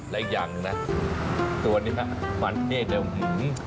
และอีกอย่างหนึ่งนะตัวนี้มันเทศเลย